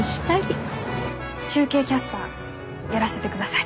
中継キャスターやらせてください。